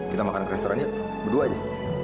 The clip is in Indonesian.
kita makan restoran yuk berdua aja